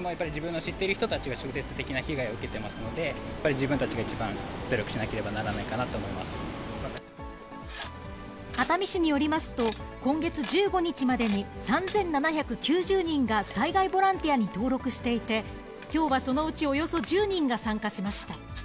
やっぱり自分の知っている人たちが、直接的な被害を受けていますので、やっぱり自分たちが一番、努力し熱海市によりますと、今月１５日までに、３７９０人が災害ボランティアに登録していて、きょうはそのうちおよそ１０人が参加しました。